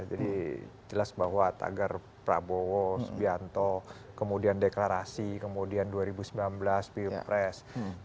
jadi jelas bahwa tagar prabowo subianto kemudian deklarasi kemudian dua ribu sembilan belas film press